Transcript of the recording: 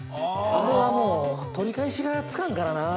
アレはもう取り返しがつかんからなあ。